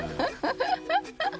ハハハハ！